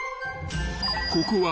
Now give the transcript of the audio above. ［ここは］